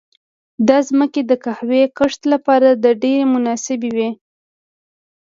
دا ځمکې د قهوې کښت لپاره ډېرې مناسبې وې.